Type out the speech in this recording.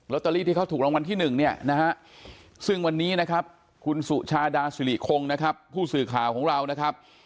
ตอรี่ที่เขาถูกรางวัลที่๑เนี่ยนะฮะซึ่งวันนี้นะครับคุณสุชาดาสิริคงนะครับผู้สื่อข่าวของเรานะครับ